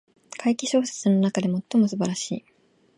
怪奇小説の中で最も素晴らしい